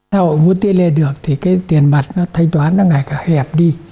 sao mũ tiền lên được thì tiền mặt thanh toán ngày càng hẹp đi